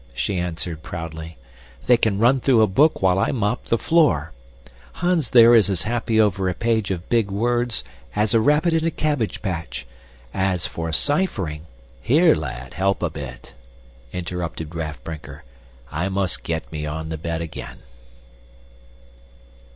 she answered proudly. "They can run through a book while I mop the floor. Hans there is as happy over a page of big words as a rabbit in a cabbage patch; as for ciphering " "Here, lad, help a bit," interrupted Raff Brinker. "I must get me on the bed again."